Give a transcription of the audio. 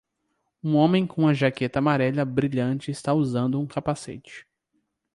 Um homem com uma jaqueta amarela brilhante está usando um capacete.